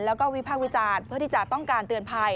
แล้วก็วิพากษ์วิจารณ์เพื่อที่จะต้องการเตือนภัย